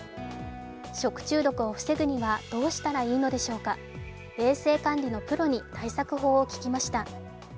食中毒を防ぐにはどうしたらいいのでしょうか衛生管理のプロに対策を聞きました。